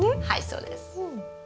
はいそうです。